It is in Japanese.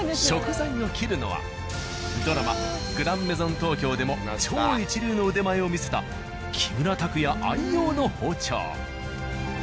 食材を切るのはドラマ「グランメゾン★東京」でも超一流の腕前を見せた木村拓哉愛用の包丁。